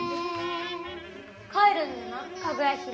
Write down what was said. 「帰るんだなかぐや姫」。